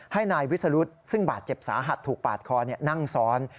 ให้นายวิสรุธซึ่งบาดเจ็บสาหัสถูกปาดคอนั่งซ้อน